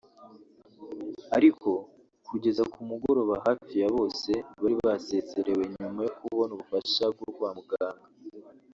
Ariko kugeza ku mugoroba hafi ya bose bari basezerewe nyuma yo kubona ubufasha bwo kwa muganga